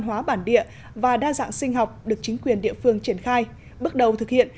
hóa địa và đa dạng sinh học được chính quyền địa phương triển khai bước đầu thực hiện